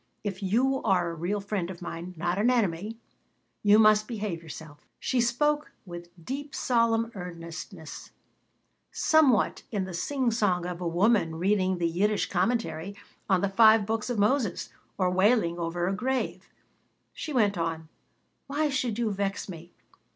If you are a real friend of mine, not an enemy, you must behave yourself." She spoke with deep, solemn earnestness, somewhat in the singsong of a woman reading the Yiddish Commentary on the Five Books of Moses or wailing over a grave. She went on: "Why should you vex me?